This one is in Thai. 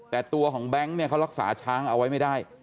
แต่ตัวของแบงค์เนี่ยเขารักษาช้างเอาไว้ไม่ได้